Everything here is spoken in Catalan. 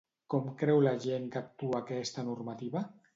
Com creu la gent que actua aquesta normativa?